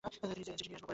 চিঠি নিয়ে আসবো পরেরবার।